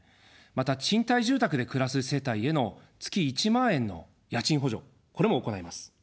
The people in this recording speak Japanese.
また、賃貸住宅で暮らす世帯への月１万円の家賃補助、これも行います。